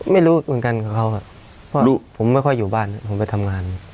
ไม่รู้เหมือนกันกับเขาครับเพราะผมไม่ค่อยอยู่บ้านผมไปทำงาน